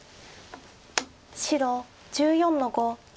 白１４の五ノビ。